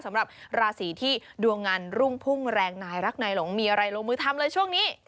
สำหรับราศีที่ดวงงานรุ่งพุ่งแรงนายรักนายหลงมีอะไรลงมือทำเลยช่วงนี้